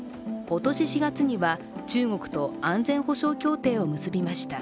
今年４月には中国と安全保障協定を結びました。